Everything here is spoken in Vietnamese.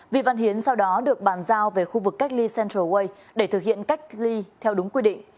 vi văn hiến sau đó được bàn giao về khu vực cách ly central way để thực hiện cách ly theo đúng quy định